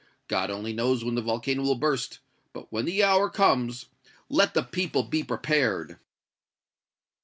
God only knows when the volcano will burst; but, when the hour comes, let the people be prepared!"